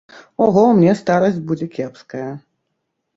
Ого, мне старасць будзе кепская.